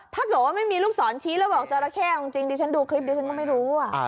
ถ้าเกิดว่ามันไม่มีลูกสอนชี้แล้วบอกจ่อราแข่กลับรูปจริงดีเต็มดูคลิปดีดีเธอก็ไม่รู้แหวะ